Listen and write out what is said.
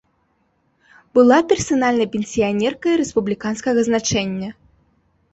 Была персанальнай пенсіянеркай рэспубліканскага значэння.